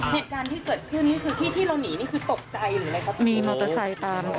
เหตุการณ์ที่เกิดขึ้นนี่คือที่เราหนีนี่คือตกใจหรือไงครับ